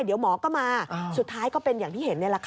เดี๋ยวหมอก็มาสุดท้ายก็เป็นอย่างที่เห็นนี่แหละค่ะ